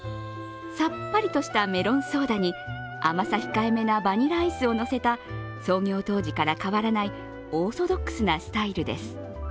さっぱりとしたメロンソーダに甘さ控えめなバニラアイスをのせた創業当時から変わらないオーソドックスなスタイルです。